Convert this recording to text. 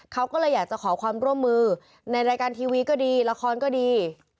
เขาก็เลยอยากจะขอความร่วมมือในรายการทีวีก็ดีละครก็ดี